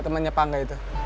temennya pangga itu